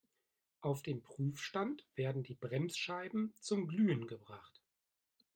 Auf dem Prüfstand werden die Bremsscheiben zum Glühen gebracht.